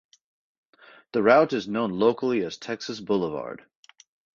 The route is known locally as Texas Boulevard.